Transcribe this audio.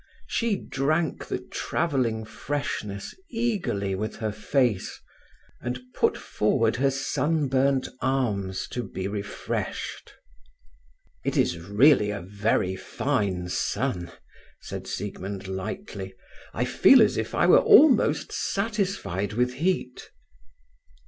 She drank the travelling freshness eagerly with her face, and put forward her sunburnt arms to be refreshed. "It is really a very fine sun," said Siegmund lightly. "I feel as if I were almost satisfied with heat."